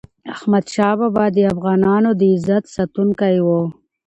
احمد شاه بابا د افغانانو د عزت ساتونکی و.